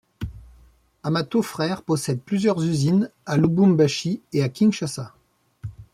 Amato Frères possède plusieurs usines à Lubumbashi et à Kinshasa.